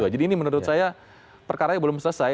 jadi ini menurut saya perkara yang belum selesai